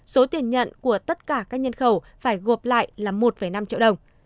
số tiền nhận của tất cả các nhân khẩu phải gộp lại là một năm triệu đồng